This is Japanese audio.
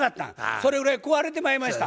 それぐらい壊れてまいました